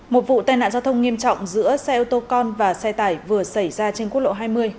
một vụ tai nạn giao thông nghiêm trọng giữa xe ô tô con và xe tải vừa xảy ra trên quốc lộ hai mươi